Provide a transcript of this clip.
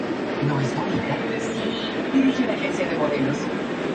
Es un óxido fuertemente básico.